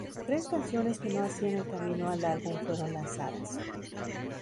Tres canciones que no hacían el camino al álbum fueron lanzadas.